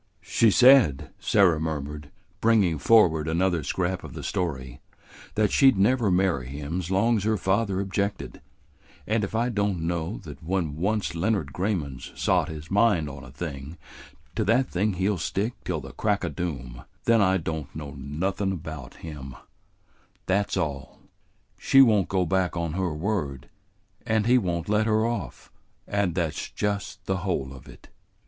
"She said," Sarah murmured, bringing forward another scrap of the story, "that she never 'd marry him 's long 's her father objected, and if I don't know that when once Leonard Grayman 's sot his mind on a thing to that thing he 'll stick till the crack o' doom, then I don't know nothin' about him; that's all. She won't go back on her word, and he won't let her off, and that's just the whole of it."